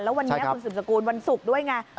แล้ววันนี้คุณสืบสกุลวันศุกร์ด้วยไง